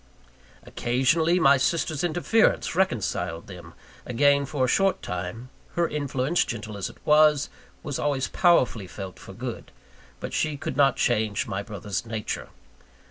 Occasionally, my sister's interference reconciled them again for a short time; her influence, gentle as it was, was always powerfully felt for good, but she could not change my brother's nature.